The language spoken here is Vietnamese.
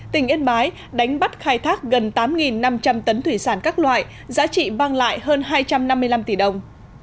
tỉnh yên bái đánh bắt khai thác gần tám năm trăm linh tấn thủy sản các loại giá trị vang lại hơn hai trăm năm mươi năm tỷ đồng